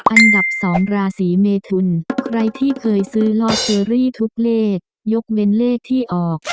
อันดับ๒ราศีเมทุนใครที่เคยซื้อลอตเตอรี่ทุกเลขยกเว้นเลขที่ออก